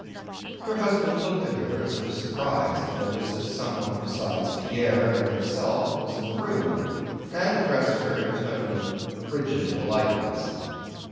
Her husband looked at her as if surprised to notice that someone besides Pierre and himself was in the room, and addressed her in a tone of frigid politeness.